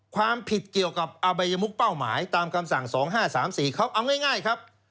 ความผิดเกี่ยวกับอบัยมุกเป้าหมายตามคำสั่ง๒๕๓๔เขาเอาง่ายครับ